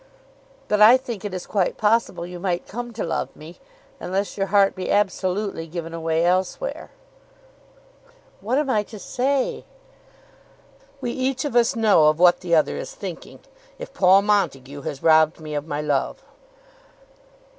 But I think it is quite possible you might come to love me, unless your heart be absolutely given away elsewhere." "What am I to say?" "We each of us know of what the other is thinking. If Paul Montague has robbed me of my love